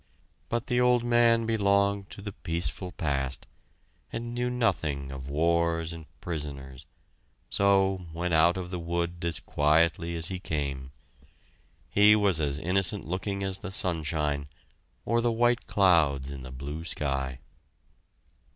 But the old man belonged to the peaceful past, and knew nothing of wars and prisoners, so went out of the wood as quietly as he came. He was as innocent looking as the sunshine, or the white clouds in the blue sky!